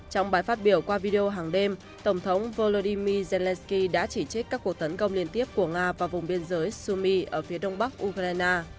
trong bài phát biểu qua video hàng đêm tổng thống volodymyr zelensky đã chỉ trích các cuộc tấn công liên tiếp của nga vào vùng biên giới sumi ở phía đông bắc ukraine